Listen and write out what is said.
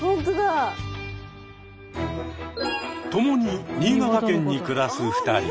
共に新潟県に暮らす２人。